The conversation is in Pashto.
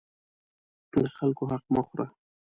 د خلکو حق مه خوره.